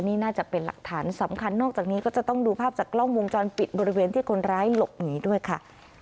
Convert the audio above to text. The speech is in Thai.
นี่น่าจะเป็นหลักฐานสำคัญนอกจากนี้ก็จะต้องดูภาพจากกล้องวงจรปิดบริเวณที่คนร้ายหลบหนีด้วยค่ะ